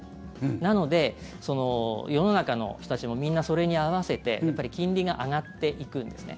なので世の中の人たちもみんなそれに合わせてやっぱり金利が上がっていくんですね。